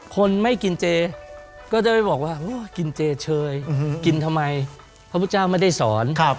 คนไม่กินเจก็จะไปบอกว่ากินเจเชยกินทำไมพระพุทธเจ้าไม่ได้สอน